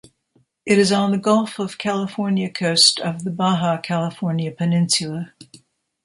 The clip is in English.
It is on the Gulf of California coast of the Baja California Peninsula.